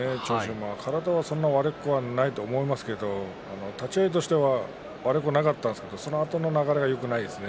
馬、そんなに体は悪くないと思いますけれども立ち合いとしては悪くなかったんですがそのあとの流れがよくないですね